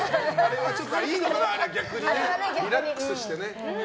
いいのかな、あれが逆にリラックスしてね。